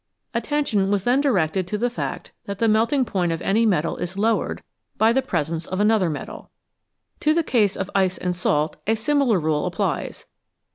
Attention was then directed to the fact that the melting point of any metal is lowered by the presence of another 181 ' BELOW ZERO metal. To the case of ice and salt a similar rule applies.